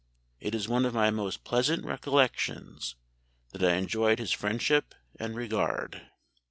It is one of my most pleasant recollections that I enjoyed his friendship and regard."